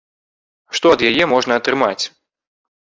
Што ад яе можна атрымаць?